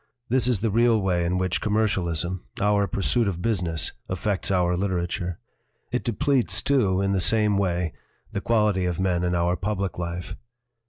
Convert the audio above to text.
This is the real way in which com mercialism our pursuit of business affects our literature. It depletes, too, in the same way, the quality of men in our public life.